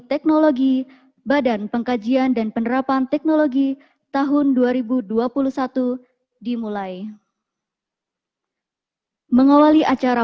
teknologi badan pengkajian dan penerapan teknologi tahun dua ribu dua puluh satu dimulai mengawali acara